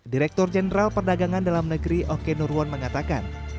direktur jenderal perdagangan dalam negeri oke nurwan mengatakan